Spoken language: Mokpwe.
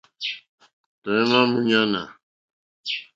Tɔ̀ímá !múɲánà.